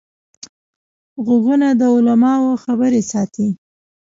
غوږونه د علماوو خبرې ساتي